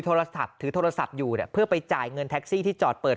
โทรศัพท์ถือโทรศัพท์อยู่เนี่ยเพื่อไปจ่ายเงินแท็กซี่ที่จอดเปิด